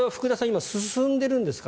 今、進んでいるんですか？